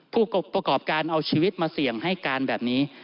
ผู้ประกอบการเอาชีวิตมาเสี่ยงให้การแบบนี้